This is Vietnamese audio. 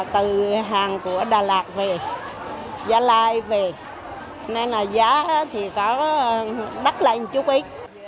từ hàng của đà lạt về gia lai về nên là giá thì có đắt lên chút ít